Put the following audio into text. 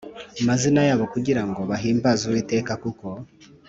mazina yabo kugira ngo bahimbaze Uwiteka kuko